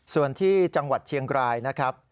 ส่วนที่จังหวัดเชียงรายนะครับ